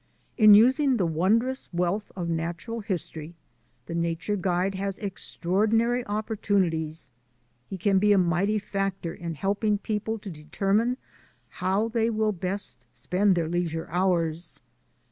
In using the wondrous wealth of natural history the nature guide has extraordinary opportunities. He can be a mighty factor in helping people to determine how they will best spend their leisure hours.